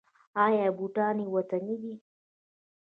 آیا بوټان یې وطني دي؟